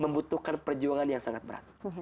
membutuhkan perjuangan yang sangat berat